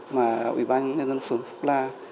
mà ủy ban nhân dân phường phúc la